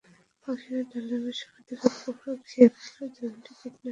পাখিরা ডালে বসে ক্ষতিকর পোকা খেয়ে ফেলায় জমিতে কীটনাশকের ব্যবহারও কমতে থাকে।